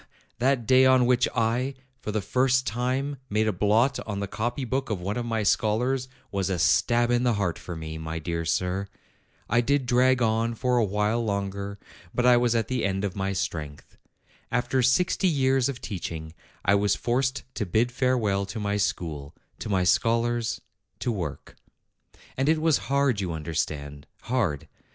that day on which I, for the first time, made a blot on the copy book of one of my scholars was a stab in the heart for me, my dear sir. I did drag on for a while longer ; but I was at the end of my strength. After sixty years of teaching I was forced to bid farewell to my school, to my scholars, to work. And it was hard, you under stand, hard.